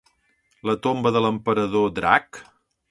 La tomba de l'emperador drac?